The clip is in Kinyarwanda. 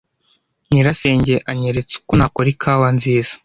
Nyirasenge anyeretse uko nakora ikawa nziza.